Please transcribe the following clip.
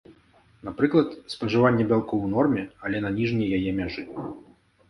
Напрыклад, спажыванне бялку ў норме, але на ніжняй яе мяжы.